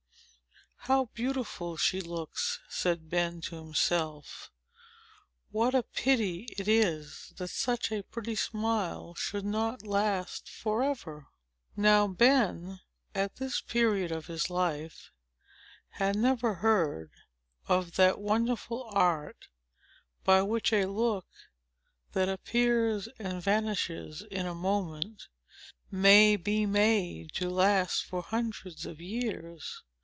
"How beautiful she looks!" said Ben to himself. "What a pity it is, that such a pretty smile should not last forever!" Now Ben, at this period of his life, had never heard of that wonderful art, by which a look, that appears and vanishes in a moment, may be made to last for hundreds of years.